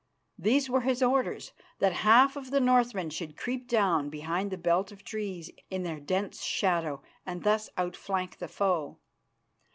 These were his orders that half of the Northmen should creep down behind the belt of trees in their dense shadow, and thus outflank the foe.